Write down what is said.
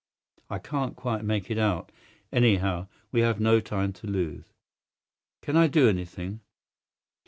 "I can't quite make it out. Anyhow, we have no time to lose." "Can I do anything?"